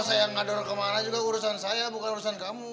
mau saya ngadur kemana juga urusan saya bukan urusan kamu